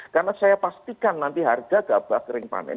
karena saya pastikan nanti harga gabah kering panen